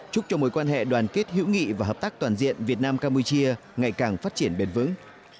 chúc cho mối quan hệ đoàn kết hữu nghị và hợp tác toàn diện việt nam campuchia ngày càng phát triển bền vững